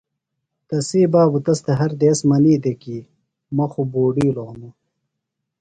تسی بابوۡ تس تھےۡ ہر دیس منی دےۡ کی مہ خُوۡ بُوڈِیلوۡ ہِنوۡ۔